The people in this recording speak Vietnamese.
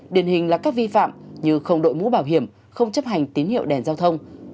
điển hình là các vi phạm như không đội mũ bảo hiểm không chấp hành tín hiệu đèn giao thông